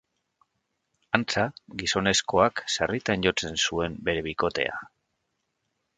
Antza, gizonezkoak sarritan jotzen zuen bere bikotea.